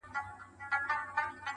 مین دي کړم خو لېونی دي نه کړم,